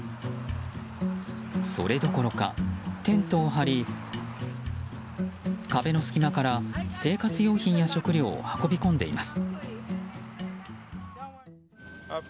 それどころかテントを張り壁の隙間から生活用品や食料を運び込んでいます。